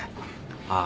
ああ。